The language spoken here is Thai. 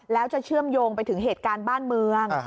แล้วจะเชื่อมโยงไปถึงเหตุการณ์บ้านเมือง